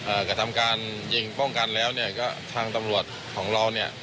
กระทำการยิงป้องกันแล้วเนี่ยก็ทางตำรวจของเราเนี่ย